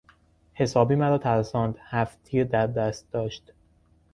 حسابی مرا ترساند، هفت تیر در دست داشت!